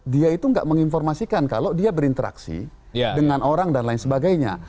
dia itu nggak menginformasikan kalau dia berinteraksi dengan orang dan lain sebagainya